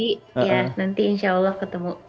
ya nanti insya allah ketemu